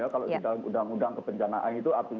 kalau di dalam undang undang kebencanaan itu